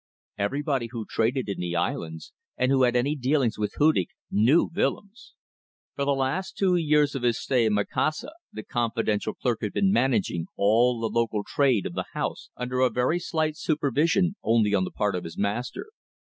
Everybody who traded in the islands, and who had any dealings with Hudig, knew Willems. For the last two years of his stay in Macassar the confidential clerk had been managing all the local trade of the house under a very slight supervision only on the part of the master.